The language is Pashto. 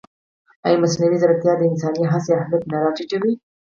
ایا مصنوعي ځیرکتیا د انساني هڅې اهمیت نه راټیټوي؟